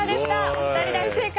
お二人大正解！